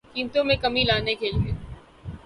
قیمتوں میں کمی لانے کیلئے